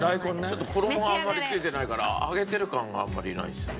ちょっと衣があんまりついてないから揚げてる感があんまりないですね。